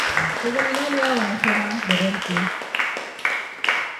Nyama ya ng'ombe ni tamu sana